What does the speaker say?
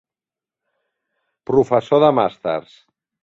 Professor de màsters.